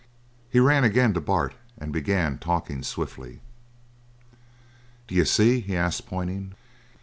He ran again to Bart and began talking swiftly. "D'you see?" he asked, pointing.